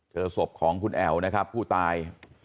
เจอศพของคุณแอ๋วนะครับผู้ตาย